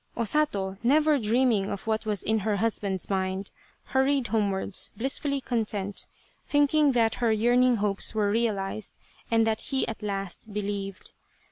O Sato, never dreaming of what was in her husband's mind, hurried homewards, blissfully content, thinking that her yearning hopes were realized and that he at last believed.